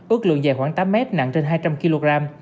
ước lượng dài khoảng tám mét nặng trên hai trăm linh kg